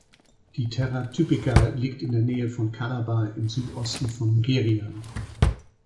Die Terra typica liegt in der Nähe von Calabar im Südosten von Nigeria.